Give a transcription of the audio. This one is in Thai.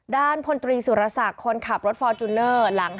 ด้านพนตรีสุรษักรณ์คนขับรถฟอร์จูนเนอร์หลังให้